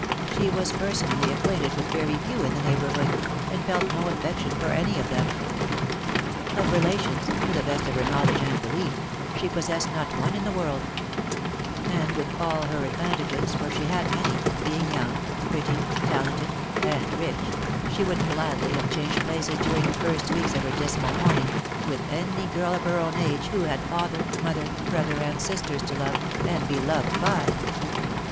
She was personally acquainted with very few in the neighbourhood, and felt no affection for any of them. Of relations, to the best of her knowledge and belief, she possessed not one in the world ; and with all her advantages, for she had many, being young, pretty, talented, and rich, she would gladly have changed places during the first weeks of her dismal mourning, with any girl of her own age who had father, mother, brother, and sisters to love, and be loved by.